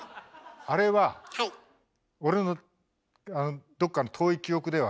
あれは俺のどっかの遠い記憶では。